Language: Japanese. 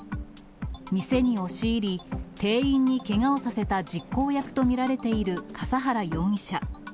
店に押し入り、店員にけがをさせた実行役と見られている笠原容疑者。